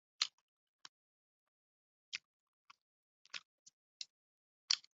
柯立芝斯普林斯是位于美国加利福尼亚州因皮里尔县的一个非建制地区。